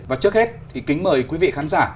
và trước hết thì kính mời quý vị khán giả